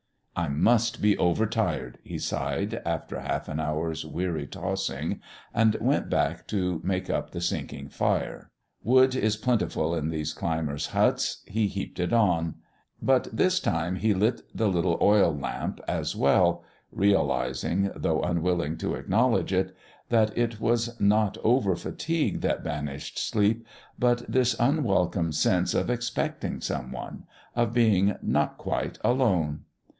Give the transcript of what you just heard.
"I must be over tired," he sighed, after half an hour's weary tossing, and went back to make up the sinking fire. Wood is plentiful in these climbers' huts; he heaped it on. But this time he lit the little oil lamp as well, realising though unwilling to acknowledge it that it was not over fatigue that banished sleep, but this unwelcome sense of expecting some one, of being not quite alone.